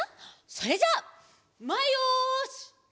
それじゃあまえよし！